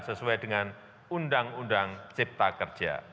sesuai dengan undang undang cipta kerja